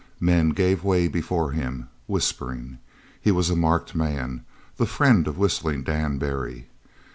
Men gave way before him, whispering. He was a marked man the friend of Whistling Dan Barry.